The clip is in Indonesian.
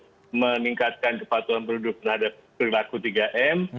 yang satu meningkatkan kepatuhan penduduk terhadap perilaku tiga m